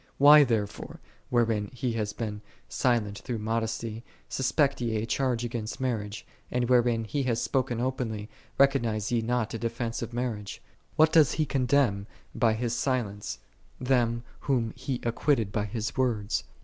4 Why, there fore, wherein he hath been silent through modesty, suspect ye a charge against mar riage; and wherein he hath spoken openly, recognize ye not a defense of marriage ? What, doth he condemn by his silence them whom he acquitted by his words